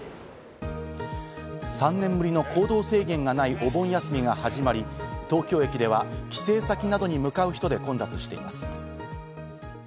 ３年ぶりの行動制限がないお盆休みが始まり、東京駅では帰省先などに向かう人で混雑しています。